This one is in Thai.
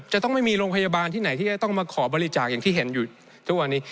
จะต้องไม่มีโรงพยาบาลที่ไหนที่จะต้องมาขอบริจาคอย่างที่เห็นอยู่ทุกวันนี้